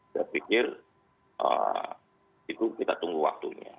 saya pikir itu kita tunggu waktunya